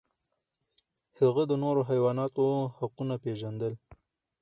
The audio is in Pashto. هغه د نورو حیواناتو حقونه پیژندل.